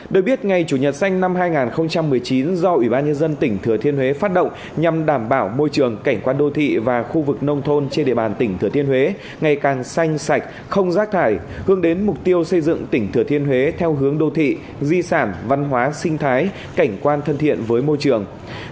được biết ngày chủ nhật xanh năm hai nghìn một mươi chín do ủy ban nhân dân tỉnh thừa thiên huế phát động nhằm đảm bảo môi trường cảnh quan đô thị và khu vực nông thôn trên địa bàn tỉnh thừa thiên huế ngày càng xanh sạch không rác thải hướng đến mục tiêu xây dựng tỉnh thừa thiên huế theo hướng đô thị di sản văn hóa sinh thái cảnh quan thân thiện với môi trường